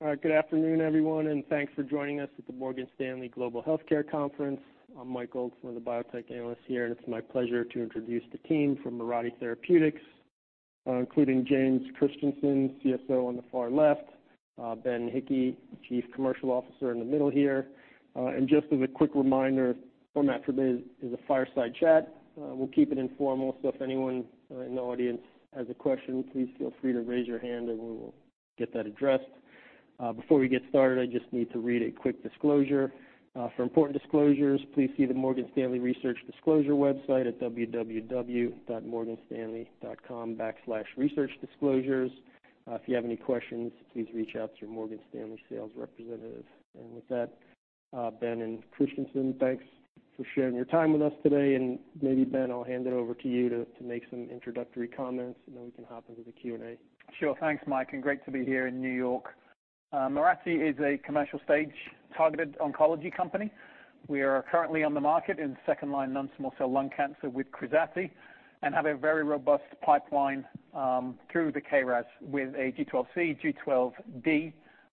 All right. Good afternoon, everyone, and thanks for joining us at the Morgan Stanley Global Healthcare Conference. I'm Mike Goldman, the Biotech Analyst here, and it's my pleasure to introduce the team from Mirati Therapeutics, including James Christensen, CSO, on the far left, Ben Hickey, Chief Commercial Officer in the middle here. And just as a quick reminder, format for today is a fireside chat. We'll keep it informal, so if anyone in the audience has a question, please feel free to raise your hand, and we will get that addressed. Before we get started, I just need to read a quick disclosure. "For important disclosures, please see the Morgan Stanley Research Disclosure website at www.morganstanley.com/researchdisclosures. If you have any questions, please reach out to your Morgan Stanley sales representative." And with that, Ben and Christensen, thanks for sharing your time with us today. And maybe, Ben, I'll hand it over to you to make some introductory comments, and then we can hop into the Q&A. Sure. Thanks, Mike, and great to be here in New York. Mirati is a commercial-stage targeted oncology company. We are currently on the market in second-line non-small cell lung cancer with KRAZATI, and have a very robust pipeline, through the KRAS with a G12C, G12D.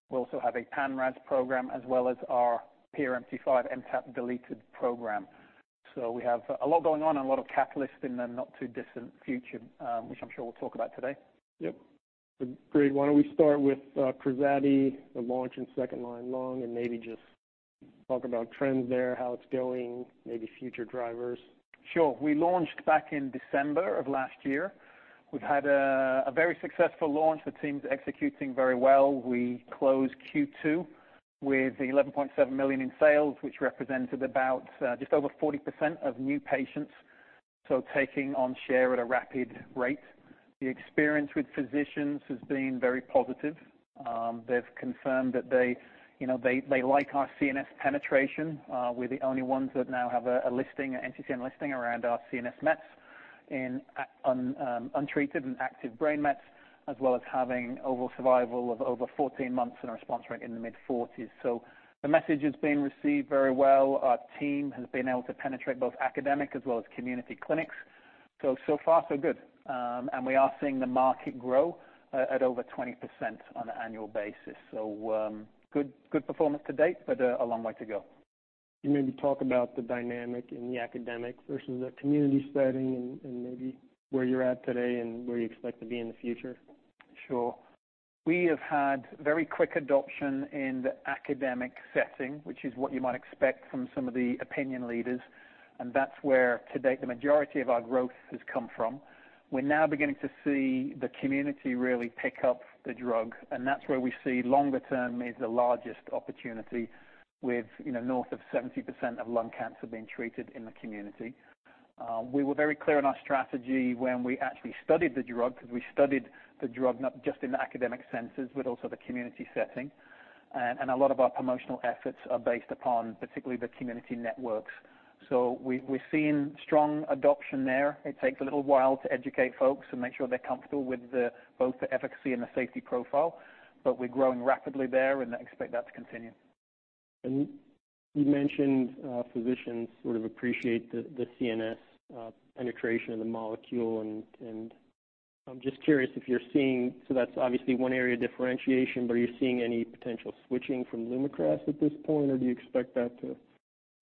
We also have a PanRAS program, as well as our PRMT5 MTAP deleted program. So we have a lot going on and a lot of catalysts in the not-too-distant future, which I'm sure we'll talk about today. Yep. So great. Why don't we start with KRAZATI, the launch in second-line lung, and maybe just talk about trends there, how it's going, maybe future drivers. Sure. We launched back in December of last year. We've had a very successful launch. The team's executing very well. We closed Q2 with $11.7 million in sales, which represented about just over 40% of new patients, so taking on share at a rapid rate. The experience with physicians has been very positive. They've confirmed that they, you know, they like our CNS penetration. We're the only ones that now have a NCCN listing around our CNS ets in on untreated and active brain mets, as well as having overall survival of over 14 months and a response rate in the mid-40s. So the message has been received very well. Our team has been able to penetrate both academic as well as community clinics. So far, so good. We are seeing the market grow at over 20% on an annual basis. So, good, good performance to date, but a long way to go. Can you maybe talk about the dynamic in the academic versus the community setting and maybe where you're at today and where you expect to be in the future? Sure. We have had very quick adoption in the academic setting, which is what you might expect from some of the opinion leaders, and that's where to date, the majority of our growth has come from. We're now beginning to see the community really pick up the drug, and that's where we see longer term is the largest opportunity with, you know, north of 70% of lung cancer being treated in the community. We were very clear in our strategy when we actually studied the drug, because we studied the drug not just in the academic sense, but also the community setting. And a lot of our promotional efforts are based upon particularly the community networks. So we, we've seen strong adoption there. It takes a little while to educate folks and make sure they're comfortable with both the efficacy and the safety profile, but we're growing rapidly there and I expect that to continue. You mentioned, physicians sort of appreciate the CNS penetration of the molecule. I'm just curious if you're seeing... So that's obviously one area of differentiation, but are you seeing any potential switching from Lumakras at this point, or do you expect that to,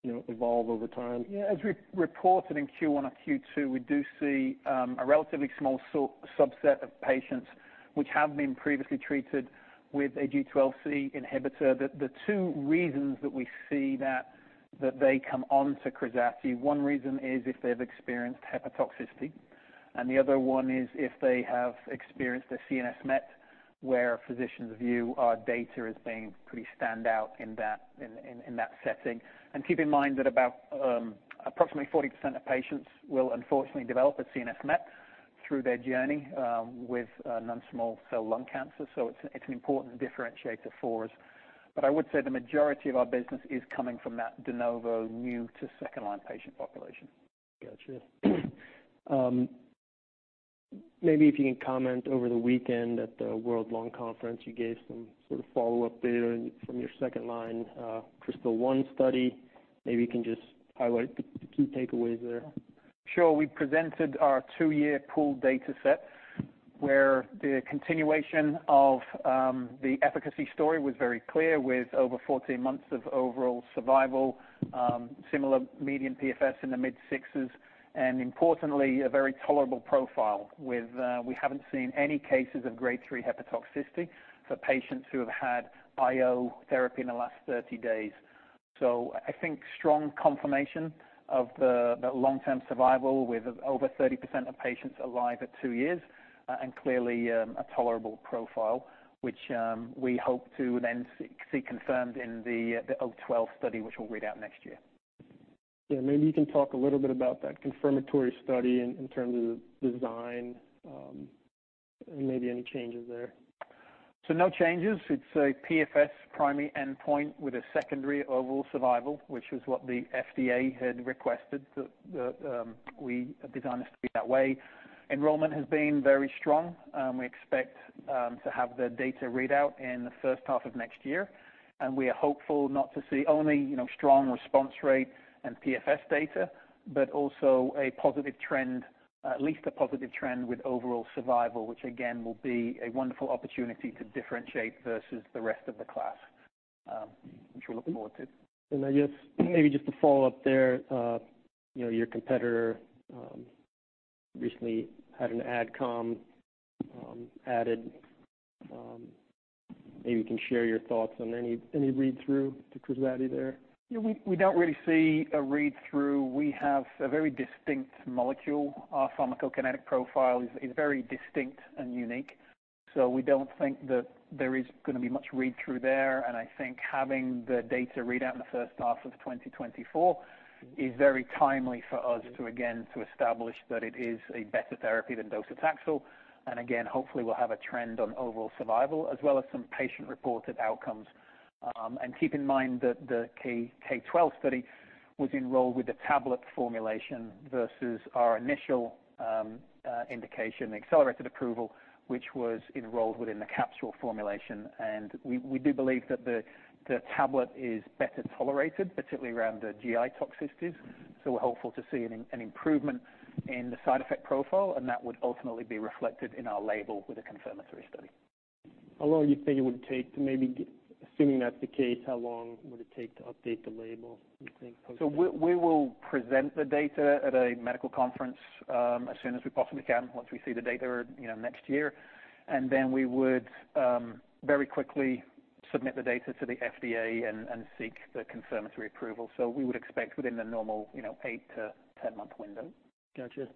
you know, evolve over time? Yeah. As we reported in Q1 or Q2, we do see a relatively small subset of patients, which have been previously treated with a G12C inhibitor. The two reasons that we see that they come on to KRAZATI, one reason is if they've experienced hepatotoxicity, and the other one is if they have experienced a CNS met, where physicians view our data as being pretty stand out in that setting. And keep in mind that about approximately 40% of patients will unfortunately develop a CNS met through their journey with non-small cell lung cancer. So it's an important differentiator for us. But I would say the majority of our business is coming from that de novo, new to second-line patient population. Gotcha. Maybe if you can comment, over the weekend at the World Lung Conference, you gave some sort of follow-up there and from your second-line, KRYSTAL-1 study. Maybe you can just highlight the, the key takeaways there. Sure. We presented our two-year pooled data set, where the continuation of the efficacy story was very clear, with over 14 months of overall survival, similar median PFS in the mid-6s, and importantly, a very tolerable profile. We haven't seen any cases of Grade three hepatotoxicity for patients who have had IO therapy in the last 30 days. So I think strong confirmation of the long-term survival, with over 30% of patients alive at two years, and clearly, a tolerable profile, which we hope to then see confirmed in the KRYSTAL-12 study, which we'll read out next year. Yeah, maybe you can talk a little bit about that confirmatory study in terms of design, and maybe any changes there. No changes. It's a PFS primary endpoint with a secondary overall survival, which is what the FDA had requested, that designed us to be that way. Enrollment has been very strong. We expect to have the data read out in the first half of next year, and we are hopeful not to see only, you know, strong response rate and PFS data, but also a positive trend, at least a positive trend, with overall survival, which again, will be a wonderful opportunity to differentiate versus the rest of the class, which we're looking forward to. I guess, maybe just to follow up there, you know, your competitor recently had an adcom. Maybe you can share your thoughts on any read-through to KRAZATI there? Yeah, we don't really see a read-through. We have a very distinct molecule. Our pharmacokinetic profile is very distinct and unique, so we don't think that there is gonna be much read-through there. And I think having the data read out in the first half of 2024 is very timely for us to again to establish that it is a better therapy than docetaxel. And again, hopefully, we'll have a trend on overall survival, as well as some patient-reported outcomes. Keep in mind that the K12 study was enrolled with the tablet formulation versus our initial indication, accelerated approval, which was enrolled within the capsule formulation. We do believe that the tablet is better tolerated, particularly around the GI toxicities, so we're hopeful to see an improvement in the side effect profile, and that would ultimately be reflected in our label with a confirmatory study. How long do you think it would take to maybe, assuming that's the case, how long would it take to update the label, you think? So we will present the data at a medical conference as soon as we possibly can, once we see the data, you know, next year. Then we would very quickly submit the data to the FDA and seek the confirmatory approval. We would expect within the normal, you know, eight to 10-month window. Gotcha.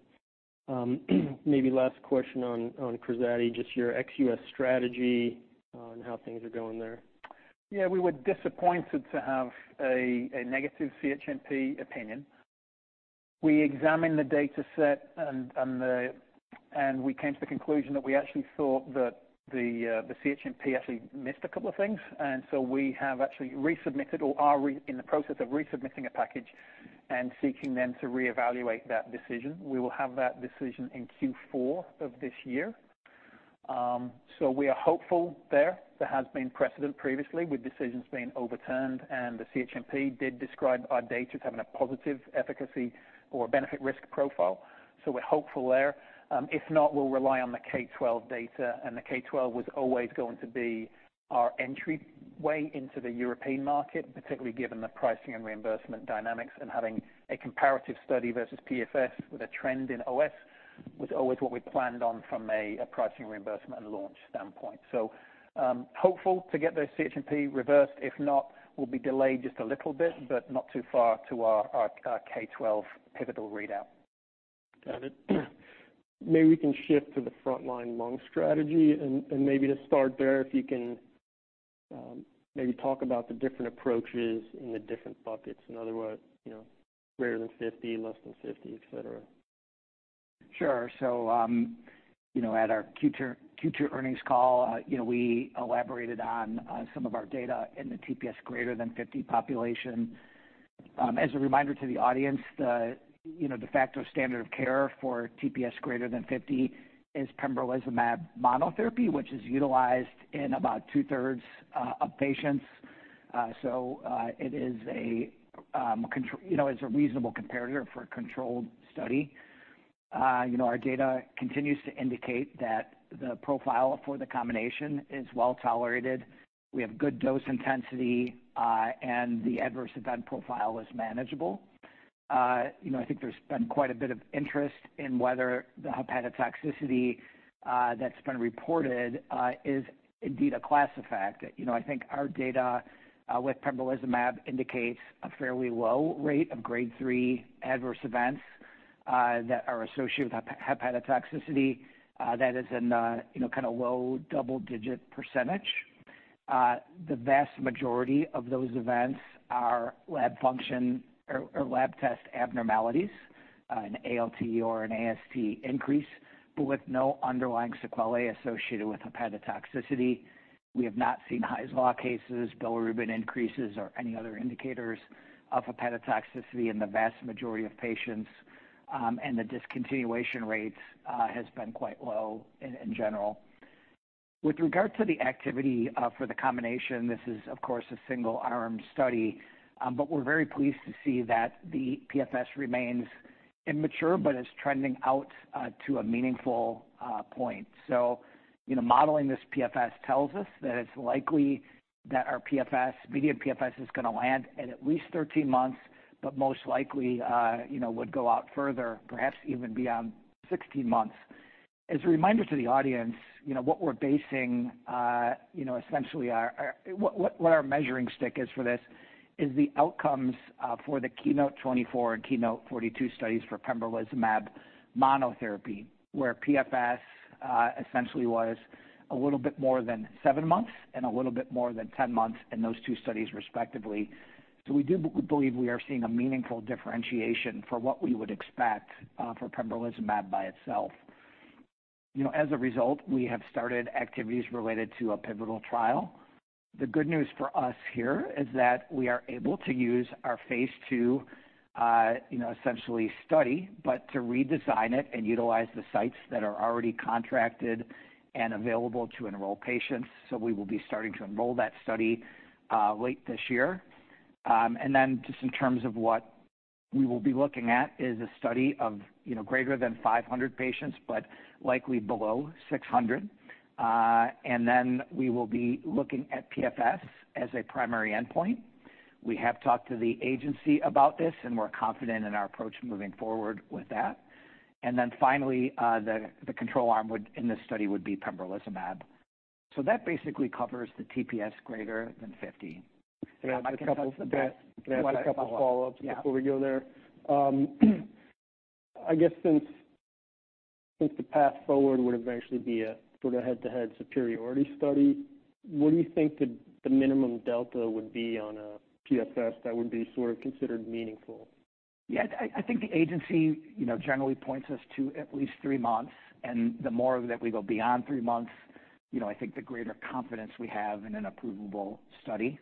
Maybe last question on KRAZATI, just your ex-U.S. strategy, and how things are going there? Yeah, we were disappointed to have a negative CHMP opinion. We examined the dataset and we came to the conclusion that we actually thought that the CHMP actually missed a couple of things, and so we have actually resubmitted or are in the process of resubmitting a package and seeking them to reevaluate that decision. We will have that decision in Q4 of this year. So we are hopeful there. There has been precedent previously, with decisions being overturned, and the CHMP did describe our data as having a positive efficacy or benefit risk profile. So we're hopeful there. If not, we'll rely on the K-12 data, and the K-12 was always going to be our entry way into the European market, particularly given the pricing and reimbursement dynamics and having a comparative study versus PFS with a trend in OS, was always what we planned on from a pricing, reimbursement, and launch standpoint. So, hopeful to get those CHMP reversed. If not, we'll be delayed just a little bit, but not too far to our K-12 pivotal readout. Got it. Maybe we can shift to the frontline lung strategy and, and maybe to start there, if you can, maybe talk about the different approaches in the different buckets. In other words, you know, greater than 50, less than 50, et cetera. Sure. So, you know, at our Q2 earnings call, you know, we elaborated on some of our data in the TPS greater than 50 population. As a reminder to the audience, you know, de facto standard of care for TPS greater than 50 is pembrolizumab monotherapy, which is utilized in about two-thirds of patients. So, it is a control. You know, it's a reasonable comparator for a controlled study. You know, our data continues to indicate that the profile for the combination is well tolerated. We have good dose intensity, and the adverse event profile is manageable. You know, I think there's been quite a bit of interest in whether the hepatotoxicity that's been reported is indeed a class effect. You know, I think our data with pembrolizumab indicates a fairly low rate of grade three adverse events that are associated with hepatotoxicity. That is in a, you know, kind of low double-digit %. The vast majority of those events are lab function or lab test abnormalities, an ALT or an AST increase, but with no underlying sequelae associated with hepatotoxicity. We have not seen Hy's Law cases, bilirubin increases, or any other indicators of hepatotoxicity in the vast majority of patients, and the discontinuation rates has been quite low in general. With regard to the activity for the combination, this is, of course, a single-arm study, but we're very pleased to see that the PFS remains immature, but it's trending out to a meaningful point. So, you know, modeling this PFS tells us that it's likely that our PFS, median PFS, is gonna land at least 13 months, but most likely, you know, would go out further, perhaps even beyond 16 months. As a reminder to the audience, you know, what we're basing essentially our measuring stick is for this is the outcomes for the KEYNOTE-024 and KEYNOTE-042 studies for pembrolizumab monotherapy, where PFS essentially was a little bit more than seven months and a little bit more than 10 months in those two studies, respectively. So we do believe we are seeing a meaningful differentiation for what we would expect for pembrolizumab by itself. You know, as a result, we have started activities related to a pivotal trial. The good news for us here is that we are able to use our phase II, you know, essentially study, but to redesign it and utilize the sites that are already contracted and available to enroll patients. So we will be starting to enroll that study, late this year. And then just in terms of what we will be looking at is a study of, you know, greater than 500 patients, but likely below 600. And then we will be looking at PFS as a primary endpoint. We have talked to the agency about this, and we're confident in our approach moving forward with that. And then finally, the control arm in this study would be pembrolizumab. So that basically covers the TPS greater than 50. Can I have a couple follow-ups before we go there? Yeah. I guess since the path forward would eventually be a sort of head-to-head superiority study, what do you think the minimum delta would be on a PFS that would be sort of considered meaningful? Yeah, I think the agency, you know, generally points us to at least three months, and the more that we go beyond three months, you know, I think the greater confidence we have in an approvable study.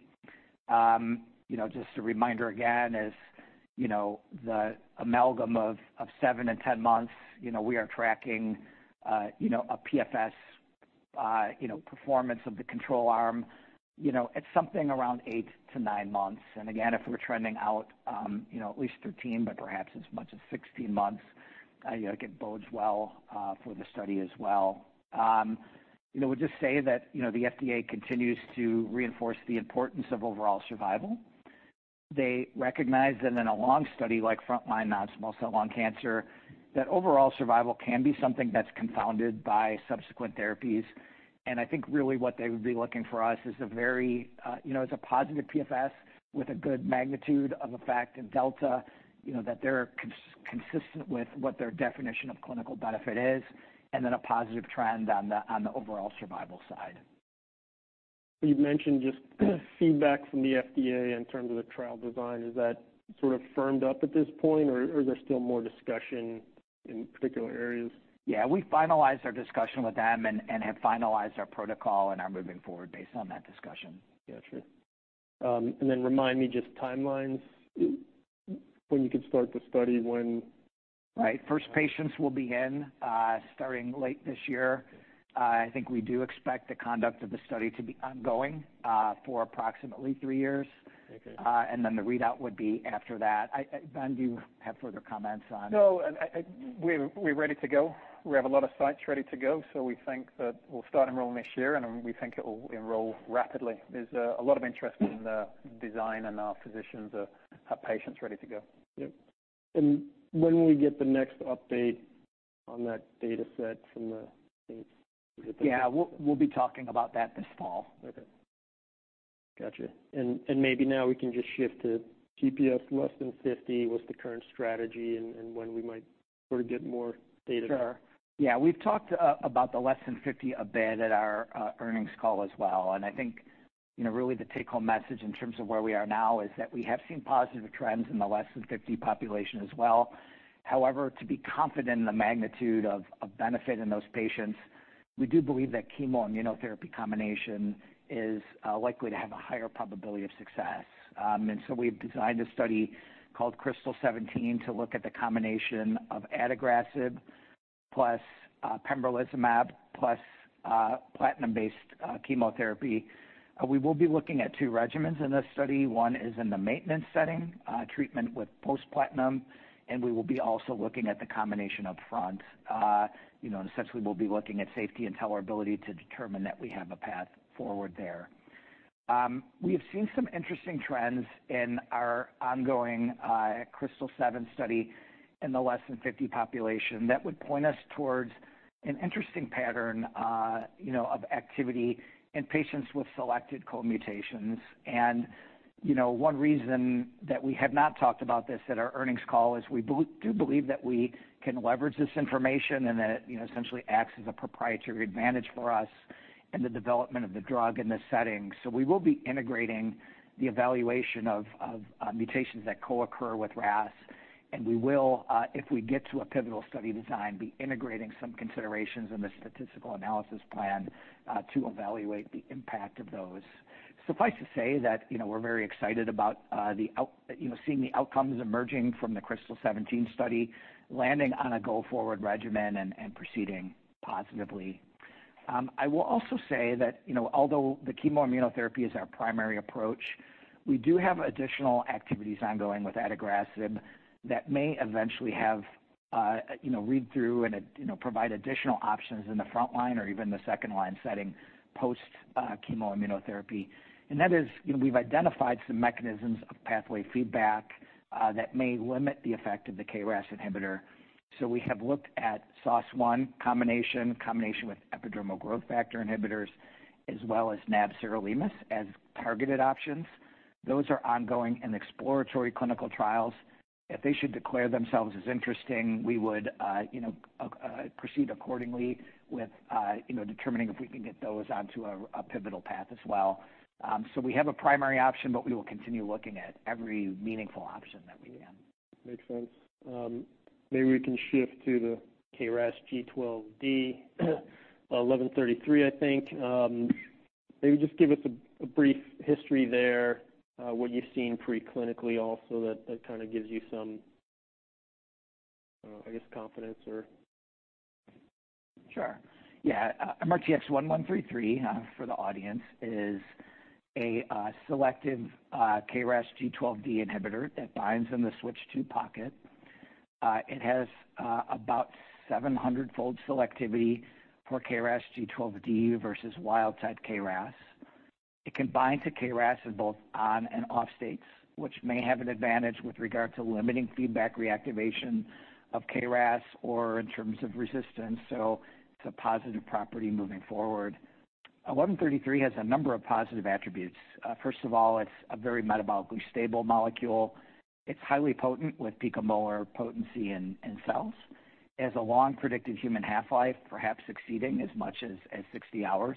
You know, just a reminder again, as you know, the amalgam of seven and 10 months, you know, we are tracking, you know, a PFS, you know, performance of the control arm, you know, at something around eight to nine months. And again, if we're trending out, you know, at least 13, but perhaps as much as 16 months, you know, it bodes well, for the study as well. You know, we'll just say that, you know, the FDA continues to reinforce the importance of overall survival. They recognize that in a long study, like frontline non-small cell lung cancer, that overall survival can be something that's confounded by subsequent therapies. And I think really what they would be looking for is a very, you know, it's a positive PFS with a good magnitude of effect in delta, you know, that they're consistent with what their definition of clinical benefit is, and then a positive trend on the, on the overall survival side. You've mentioned just, feedback from the FDA in terms of the trial design. Is that sort of firmed up at this point, or, or is there still more discussion in particular areas? Yeah, we finalized our discussion with them and have finalized our protocol and are moving forward based on that discussion. Yeah, sure. And then remind me, just timelines, when you can start the study, when? Right. First patients will begin starting late this year. I think we do expect the conduct of the study to be ongoing for approximately three years. Okay. And then the readout would be after that. I, Ben, do you have further comments on? No, I, we're ready to go. We have a lot of sites ready to go, so we think that we'll start enrolling this year, and we think it will enroll rapidly. There's a lot of interest in the design, and our physicians have patients ready to go. Yep. And when will we get the next update on that data set from the things? Yeah, we'll be talking about that this fall. Okay. Gotcha. And, and maybe now we can just shift to TPS less than 50. What's the current strategy and, and when we might sort of get more data? Sure. Yeah, we've talked about the less than 50 a bit at our earnings call as well. And I think, you know, really the take-home message in terms of where we are now is that we have seen positive trends in the less than 50 population as well. However, to be confident in the magnitude of benefit in those patients, we do believe that chemo and immunotherapy combination is likely to have a higher probability of success. And so we've designed a study called KRYSTAL-17 to look at the combination of adagrasib plus pembrolizumab plus platinum-based chemotherapy. We will be looking at two regimens in this study. One is in the maintenance setting, treatment with post-platinum, and we will be also looking at the combination up front. You know, essentially, we'll be looking at safety and tolerability to determine that we have a path forward there. We have seen some interesting trends in our ongoing KRYSTAL-7 study in the less than 50 population that would point us towards an interesting pattern, you know, of activity in patients with selected co-mutations. And, you know, one reason that we have not talked about this at our earnings call is we do believe that we can leverage this information and that it, you know, essentially acts as a proprietary advantage for us in the development of the drug in this setting. So we will be integrating the evaluation of mutations that co-occur with KRAS, and we will, if we get to a pivotal study design, be integrating some considerations in the statistical analysis plan to evaluate the impact of those. Suffice to say that, you know, we're very excited about, you know, seeing the outcomes emerging from the KRYSTAL-17 study, landing on a go-forward regimen and proceeding positively. I will also say that, you know, although the chemo immunotherapy is our primary approach, we do have additional activities ongoing with adagrasib that may eventually have, you know, read through and, you know, provide additional options in the frontline or even the second-line setting, post chemo immunotherapy. And that is, you know, we've identified some mechanisms of pathway feedback that may limit the effect of the KRAS inhibitor. So we have looked at SOS1 combination with epidermal growth factor inhibitors, as well as nab-sirolimus as targeted options. Those are ongoing in exploratory clinical trials. If they should declare themselves as interesting, we would, you know, proceed accordingly with, you know, determining if we can get those onto a pivotal path as well. So we have a primary option, but we will continue looking at every meaningful option that we can. Makes sense. Maybe we can shift to the KRAS G12D, MRTX1133, I think. Maybe just give us a brief history there, what you've seen pre-clinically also that kind of gives you some, I guess, confidence or- Sure. Yeah, MRTX1133, for the audience, is a selective KRAS G12D inhibitor that binds in the Switch II pocket. It has about 700-fold selectivity for KRAS G12D versus wild-type KRAS. It can bind to KRAS in both on and off states, which may have an advantage with regard to limiting feedback reactivation of KRAS, or in terms of resistance, so it's a positive property moving forward. 1133 has a number of positive attributes. First of all, it's a very metabolically stable molecule. It's highly potent, with picomolar potency in cells. It has a long predicted human half-life, perhaps exceeding as much as 60 hours.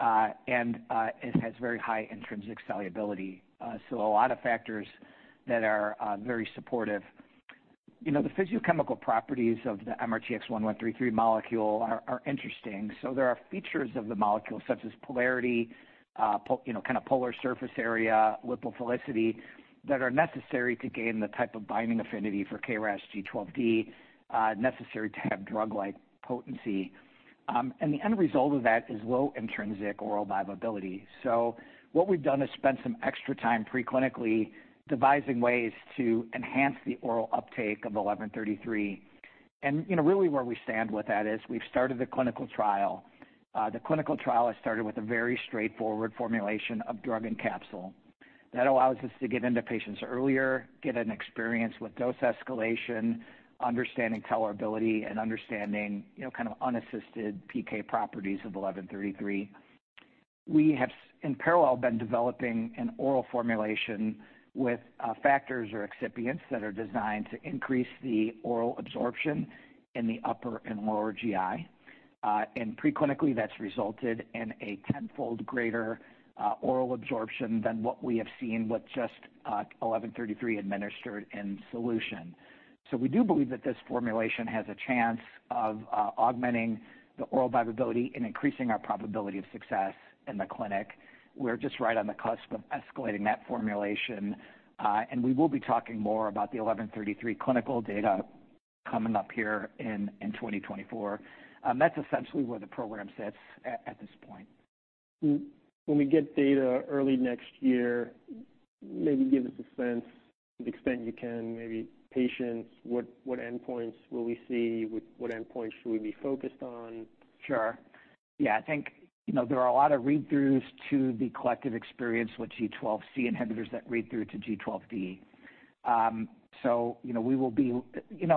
And it has very high intrinsic solubility. So a lot of factors that are very supportive. You know, the physicochemical properties of the MRTX1133 molecule are interesting. So there are features of the molecule, such as polarity, you know, kind of polar surface area, lipophilicity, that are necessary to gain the type of binding affinity for KRAS G12D, necessary to have drug-like potency. And the end result of that is low intrinsic oral viability. So what we've done is spent some extra time preclinically devising ways to enhance the oral uptake of 1133. And, you know, really where we stand with that is we've started the clinical trial. The clinical trial has started with a very straightforward formulation of drug and capsule. That allows us to get into patients earlier, get an experience with dose escalation, understanding tolerability, and understanding, you know, kind of unassisted PK properties of 1133. We have in parallel, been developing an oral formulation with factors or excipients that are designed to increase the oral absorption in the upper and lower GI. And preclinically, that's resulted in a tenfold greater oral absorption than what we have seen with just 1133 administered in solution. So we do believe that this formulation has a chance of augmenting the oral viability and increasing our probability of success in the clinic. We're just right on the cusp of escalating that formulation, and we will be talking more about the 1133 clinical data coming up here in 2024. That's essentially where the program sits at this point. When we get data early next year, maybe give us a sense, to the extent you can, maybe patients, what endpoints will we see, what endpoints should we be focused on? Sure. Yeah, I think, you know, there are a lot of read-throughs to the collective experience with G12C inhibitors that read through to G12D. So you know,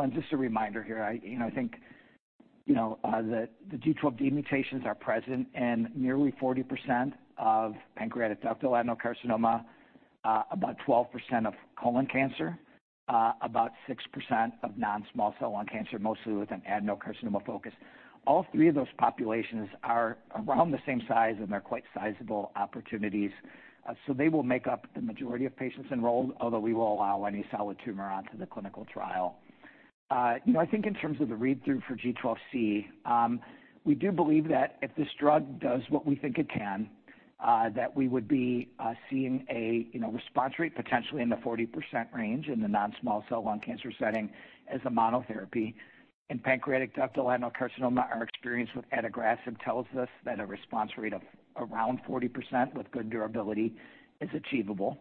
and just a reminder here, I think, you know, the G12D mutations are present in nearly 40% of pancreatic ductal adenocarcinoma, about 12% of colon cancer, about 6% of non-small cell lung cancer, mostly with an adenocarcinoma focus. All three of those populations are around the same size, and they're quite sizable opportunities, so they will make up the majority of patients enrolled, although we will allow any solid tumor onto the clinical trial. You know, I think in terms of the read-through for G12C, we do believe that if this drug does what we think it can, that we would be seeing, you know, a response rate potentially in the 40% range in the non-small cell lung cancer setting as a monotherapy. In pancreatic ductal adenocarcinoma, our experience with adagrasib tells us that a response rate of around 40% with good durability is achievable.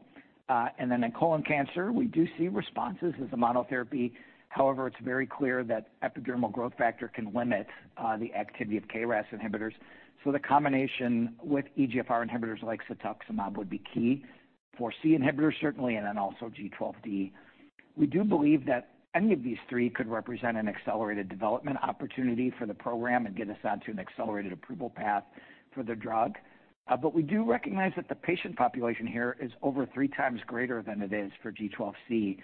And then in colon cancer, we do see responses as a monotherapy. However, it's very clear that epidermal growth factor can limit the activity of KRAS inhibitors, so the combination with EGFR inhibitors, like cetuximab, would be key for C inhibitors, certainly, and then also G12D. We do believe that any of these three could represent an accelerated development opportunity for the program and get us onto an accelerated approval path for the drug. But we do recognize that the patient population here is over three times greater than it is for G12C.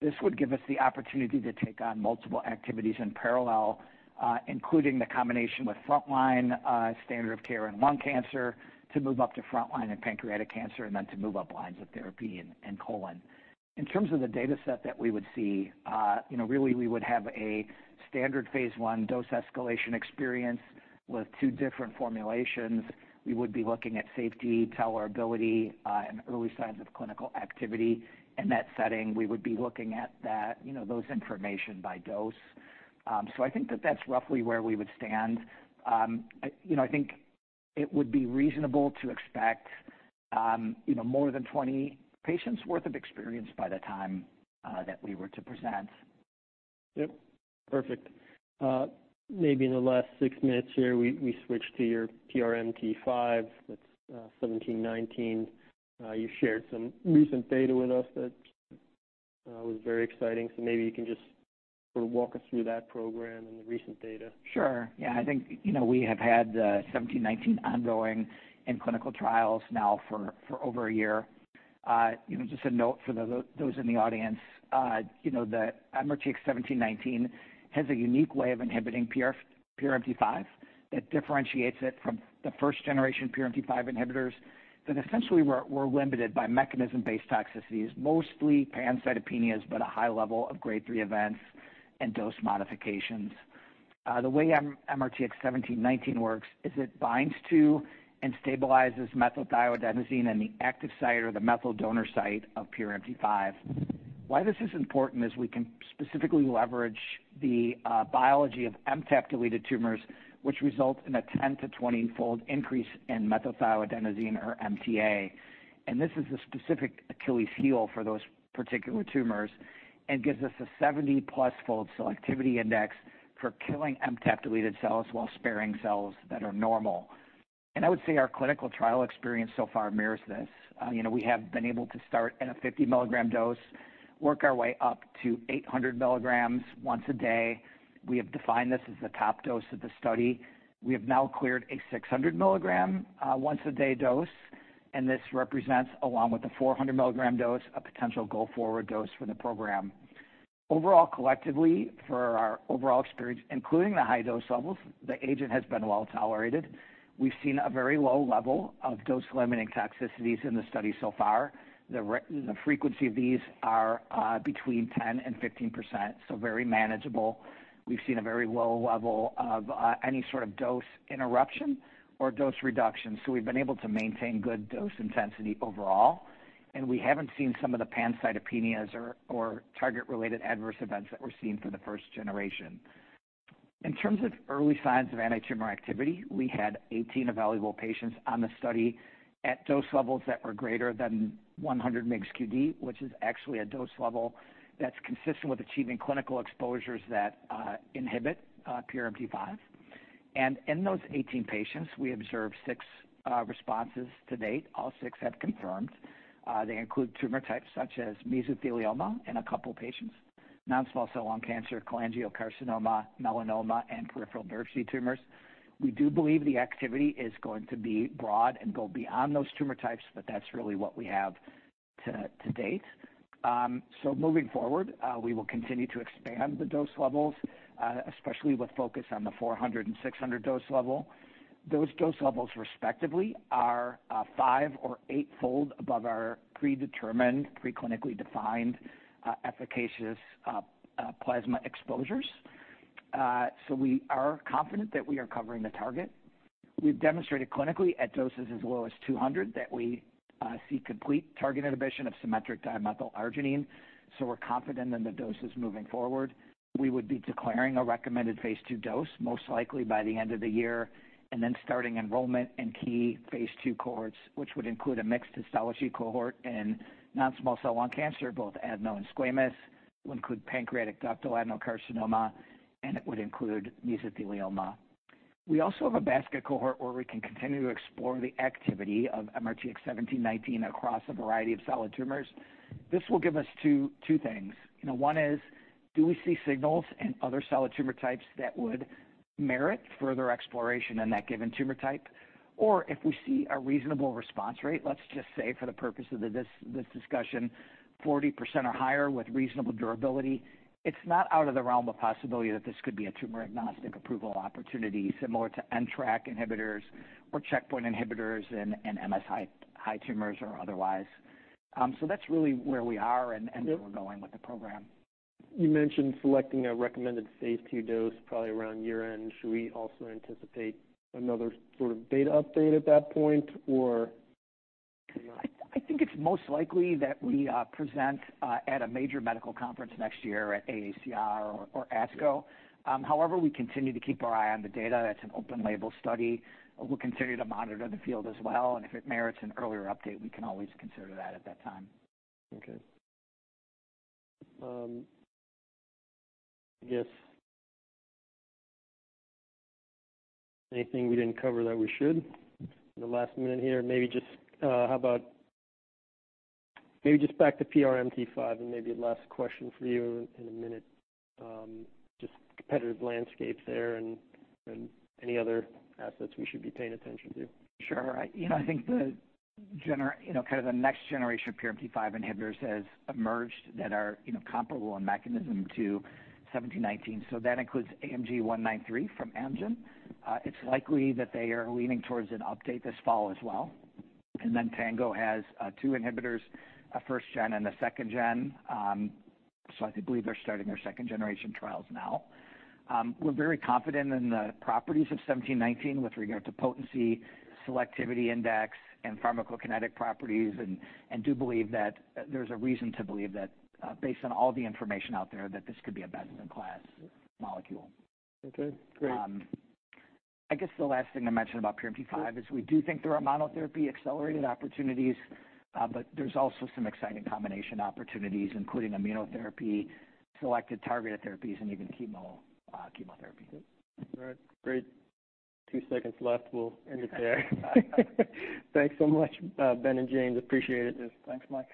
This would give us the opportunity to take on multiple activities in parallel, including the combination with frontline standard of care in lung cancer, to move up to frontline in pancreatic cancer, and then to move up lines of therapy in colon. In terms of the dataset that we would see, you know, really, we would have a standard phase 1 dose escalation experience with two different formulations. We would be looking at safety, tolerability, and early signs of clinical activity. In that setting, we would be looking at that, you know, those information by dose. So I think that that's roughly where we would stand. You know, I think it would be reasonable to expect, you know, more than 20 patients' worth of experience by the time that we were to present. Yep. Perfect. Maybe in the last 6 minutes here, we switch to your PRMT5. That's 1719. You shared some recent data with us that was very exciting, so maybe you can just sort of walk us through that program and the recent data. Sure. Yeah, I think, you know, we have had MRTX1719 ongoing in clinical trials now for over a year. You know, just a note for those in the audience, you know, the MRTX1719 has a unique way of inhibiting PRMT5 that differentiates it from the first generation PRMT5 inhibitors that essentially were limited by mechanism-based toxicities, mostly pancytopenias, but a high level of Grade three events and dose modifications. The way MRTX1719 works is it binds to and stabilizes methylthioadenosine in the active site, or the methyl donor site, of PRMT5. Why this is important is we can specifically leverage the biology of MTAP-deleted tumors, which result in a 10- to 20-fold increase in methylthioadenosine or MTA. This is a specific Achilles heel for those particular tumors and gives us a 70+ fold selectivity index for killing MTAP-deleted cells while sparing cells that are normal. I would say our clinical trial experience so far mirrors this. You know, we have been able to start at a 50 milligram dose, work our way up to 800 milligrams once a day. We have defined this as the top dose of the study. We have now cleared a 600 milligram once a day dose, and this represents, along with the 400 milligram dose, a potential go-forward dose for the program. Overall, collectively, for our overall experience, including the high dose levels, the agent has been well tolerated. We've seen a very low level of dose-limiting toxicities in the study so far. The frequency of these are between 10% and 15%, so very manageable. We've seen a very low level of any sort of dose interruption or dose reduction, so we've been able to maintain good dose intensity overall, and we haven't seen some of the pancytopenias or target-related adverse events that were seen for the first generation. In terms of early signs of antitumor activity, we had 18 evaluable patients on the study at dose levels that were greater than 100 mg QD, which is actually a dose level that's consistent with achieving clinical exposures that inhibit PRMT5. And in those 18 patients, we observed six responses to date. All six have confirmed. They include tumor types such as mesothelioma in a couple patients, non-small cell lung cancer, cholangiocarcinoma, melanoma, and peripheral nerve sheath tumors. We do believe the activity is going to be broad and go beyond those tumor types, but that's really what we have to date. So moving forward, we will continue to expand the dose levels, especially with focus on the 400 and 600 dose level. Those dose levels, respectively, are five or eightfold above our predetermined, preclinically defined efficacious plasma exposures. So we are confident that we are covering the target. We've demonstrated clinically at doses as low as 200, that we see complete target inhibition of symmetric dimethylarginine, so we're confident in the doses moving forward. We would be declaring a recommended phase II dose, most likely by the end of the year, and then starting enrollment in key phase II cohorts, which would include a mixed histology cohort and non-small cell lung cancer, both adeno and squamous. It would include pancreatic ductal adenocarcinoma, and it would include mesothelioma. We also have a basket cohort where we can continue to explore the activity of MRTX1719 across a variety of solid tumors. This will give us two, two things. You know, one is, do we see signals in other solid tumor types that would merit further exploration in that given tumor type? Or if we see a reasonable response rate, let's just say, for the purpose of this, this discussion, 40% or higher with reasonable durability, it's not out of the realm of possibility that this could be a tumor-agnostic approval opportunity, similar to NTRK inhibitors or checkpoint inhibitors in MSI high tumors or otherwise. So that's really where we are and where we're going with the program. You mentioned selecting a recommended phase II dose, probably around year-end. Should we also anticipate another sort of data update at that point, or? I think it's most likely that we present at a major medical conference next year at AACR or ASCO. However, we continue to keep our eye on the data. It's an open label study. We'll continue to monitor the field as well, and if it merits an earlier update, we can always consider that at that time. Okay. I guess... anything we didn't cover that we should in the last minute here? Maybe just, how about maybe just back to PRMT5 and maybe a last question for you in a minute, just competitive landscape there and, and any other assets we should be paying attention to. Sure. I, you know, I think... You know, kind of the next generation of PRMT5 inhibitors has emerged that are, you know, comparable in mechanism to 1719, so that includes AMG 193 from Amgen. It's likely that they are leaning towards an update this fall as well. And then Tango has two inhibitors, a first-gen and a second-gen. So I believe they're starting their second-generation trials now. We're very confident in the properties of 1719 with regard to potency, selectivity index, and pharmacokinetic properties, and do believe that there's a reason to believe that, based on all the information out there, that this could be a best-in-class molecule. Okay, great. I guess the last thing to mention about PRMT5 is we do think there are monotherapy accelerated opportunities, but there's also some exciting combination opportunities, including immunotherapy, selected targeted therapies, and even chemo, chemotherapy. Good. All right, great. Two seconds left. We'll end it there. Thanks so much, Ben and James. Appreciate it. Thanks, Mike.